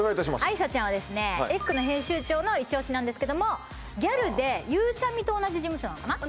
あいさちゃんはですね「ｅｇｇ」の編集長のイチオシなんですけどもギャルでゆうちゃみと同じ事務所なのかな